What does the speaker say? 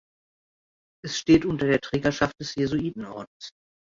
Es steht unter der Trägerschaft des Jesuitenordens.